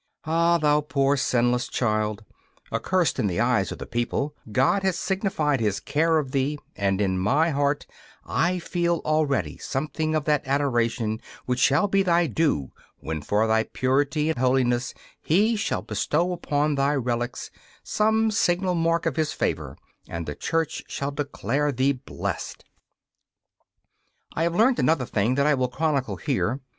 Ah, thou poor sinless child, accurst in the eyes of the people, God hath signified His care of thee, and in my heart I feel already something of that adoration which shall be thy due when for thy purity and holiness He shall bestow upon thy relics some signal mark of His favour, and the Church shall declare thee blessed! I have learned another thing that I will chronicle here.